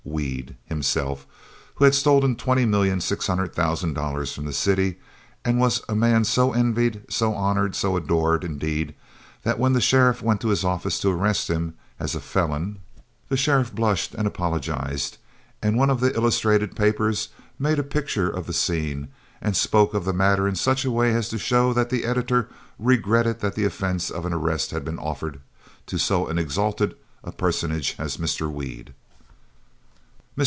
Weed himself, who had stolen $20,600,000 from the city and was a man so envied, so honored, so adored, indeed, that when the sheriff went to his office to arrest him as a felon, that sheriff blushed and apologized, and one of the illustrated papers made a picture of the scene and spoke of the matter in such a way as to show that the editor regretted that the offense of an arrest had been offered to so exalted a personage as Mr. Weed. Mr.